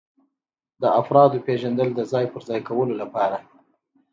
د افرادو پیژندل د ځای پر ځای کولو لپاره.